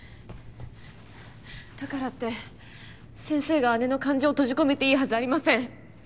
だからって先生が姉の感情を閉じ込めていいはずありません！